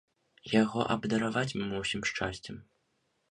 Яго абдараваць мы мусім шчасцем.